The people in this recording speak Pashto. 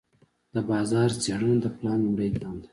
د بازار څېړنه د پلان لومړی ګام دی.